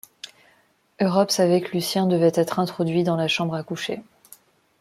Europe savait que Lucien devait être introduit dans la chambre à coucher.